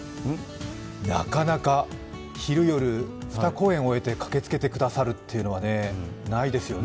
なかなか、昼・夜２公演終えて駆けつけてくださるというのはないですよね。